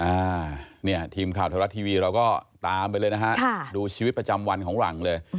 อ่าเนี่ยทีมข่าวไทยรัฐทีวีเราก็ตามไปเลยนะฮะค่ะดูชีวิตประจำวันของหลังเลย